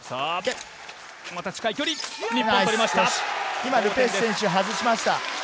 今、ル・ペシュ選手、外しました。